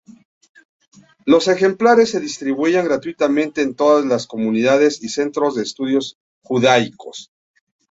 Los ejemplares se distribuían gratuitamente en todas las comunidades y centros de estudios judaicos.